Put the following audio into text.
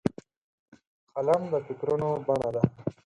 قلم د فکرونو بڼه ده